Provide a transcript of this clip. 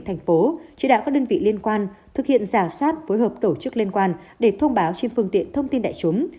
thành phố chỉ đạo các đơn vị liên quan thực hiện giả soát phối hợp tổ chức liên quan để thông báo trên phương tiện thông tin đại chúng